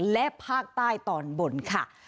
และภาคใต้ตอนบนค่ะ